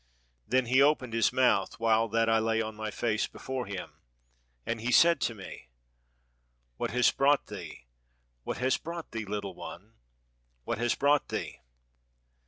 "Then he opened his mouth, while that I lay on my face before him, and he said to me, 'What has brought thee, what has brought thee, little one, what has brought thee?